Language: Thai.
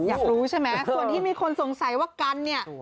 อยากรู้ใช่ไหมส่วนที่มีคนสงสัยว่ากันเนี่ย